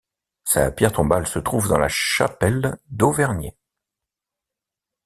Sa pierre tombale se trouve dans la chapelle d'Auvernier.